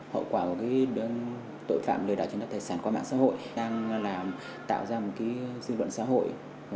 hậu quả của tội phạm lừa đảo chuyến đoát tài sản qua mạng xã hội đang tạo ra một dư luận xã hội